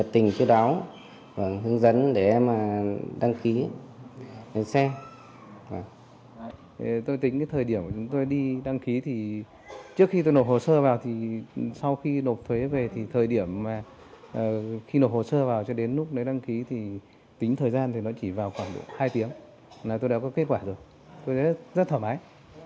tính thời gian thì nó chỉ vào khoảng hai tiếng tôi đã có kết quả rồi tôi rất thỏa mãi